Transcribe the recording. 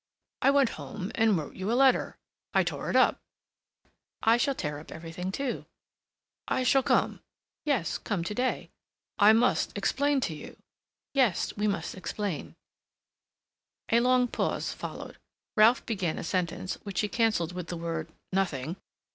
"I went home and wrote you a letter. I tore it up." "I shall tear up everything too." "I shall come." "Yes. Come to day." "I must explain to you—" "Yes. We must explain—" A long pause followed. Ralph began a sentence, which he canceled with the word, "Nothing."